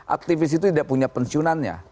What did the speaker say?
aktivis itu tidak punya pensiunannya